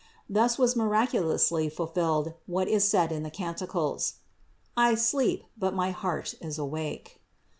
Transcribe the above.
Thus was miraculously fulfilled, what is said in the Canticles : "I sleep, but my heart is awake."